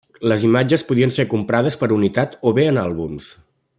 Les imatges podien ser comprades per unitat o bé en àlbums.